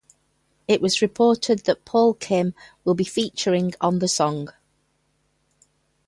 It was reported that Paul Kim will be featuring on the song.